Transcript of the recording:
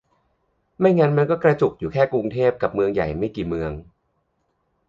ไม่งั้นมันก็กระจุกอยู่แค่กรุงเทพกับเมืองใหญ่ไม่กี่เมือง